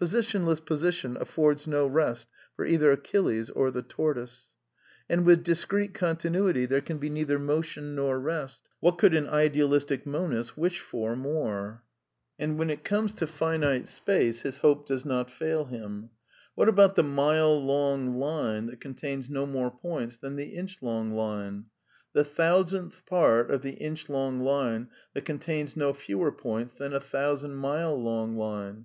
Positionless position affords no rest for either Achilles or the tortoise. And with discrete continuily there can be neither m tion nor rest. What could an idealistic monist wish for more? THE NEW REALISM 229 And when it comes to finite space his hope does not fail him. What about the mile long line that contains no more points than the inch long line? The thousandth part of the inch long line that contains no fewer points than a thousand mile long line?